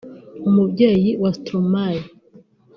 umubyeyi wa Stromae